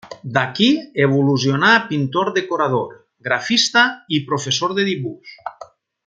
D'aquí evolucionà a pintor decorador, grafista i professor de dibuix.